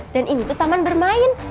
dan ini tuh taman bermain